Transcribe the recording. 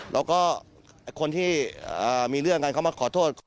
แล้วก็คนที่มีเรื่องกันเขามาขอโทษ